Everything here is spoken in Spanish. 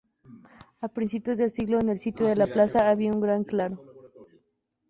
A principios del siglo en el sitio de la plaza había un gran claro.